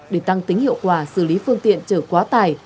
để tăng tính hiệu quả xử lý phương tiện chở quá tải